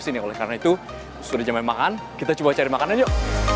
sini oleh karena itu sudah jam makan kita coba cari makanan yuk